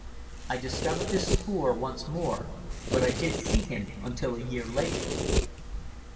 I discovered his spoor once more, but I didn't see him until a year later.